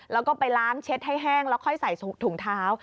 แล้วก็ไปล้างเช็ดให้แห้งแล้วค่อยใส่ถุงเท้า